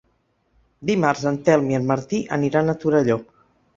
Dimarts en Telm i en Martí aniran a Torelló.